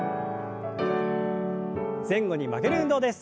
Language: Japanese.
前後に曲げる運動です。